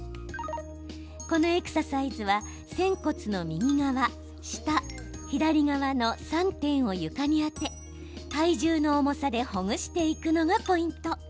このエクササイズは、仙骨の右側下、左側の３点を床に当て体重の重さでほぐしていくのがポイント。